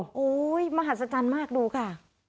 โอ้โหมหัศจรรย์มากดูค่ะ